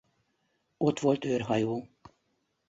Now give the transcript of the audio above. Ott volt őrhajó.